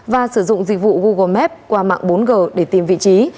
và sử dụng dịch vụ google map qua mạng bốn g để tìm vị trí